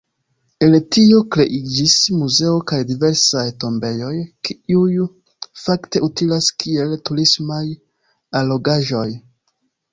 El tio kreiĝis muzeo kaj diversaj tombejoj, kiuj fakte utilas kiel turismaj allogaĵoj.